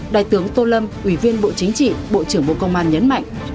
đại tướng tô lâm ủy viên bộ chính trị bộ trưởng bộ công an nhấn mạnh